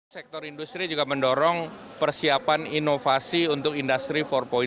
sektor industri juga mendorong persiapan inovasi untuk industri empat